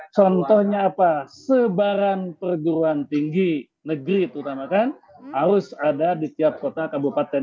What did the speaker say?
contohnya apa sebaran perguruan tinggi negeri terutama kan harus ada di tiap kota kabupaten